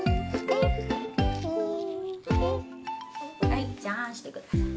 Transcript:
はいじゃああんしてください。